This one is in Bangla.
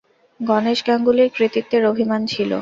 গণেশ গাঙ্গুলির কৃতিত্বের অভিমান ছিল।